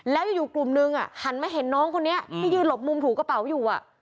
แล้วอยู่กลุ่มนึงหันมาเห็นน้องคนนี้ที่ยืนหลบมุมถูกระเป๋าอยู่